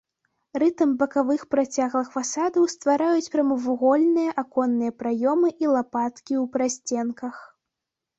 Рытм бакавых працяглых фасадаў ствараюць прамавугольныя аконныя праёмы і лапаткі ў прасценках.